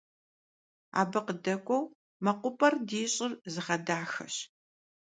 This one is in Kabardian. Абы къыдэкӀуэу мэкъупӀэр ди щӀыр зыгъэдахэщ.